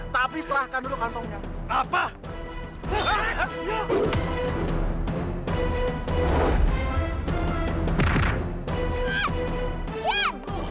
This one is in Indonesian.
tapi serahkan dulu kantongnya